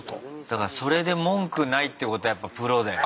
だからそれで文句ないってことはやっぱプロだよね。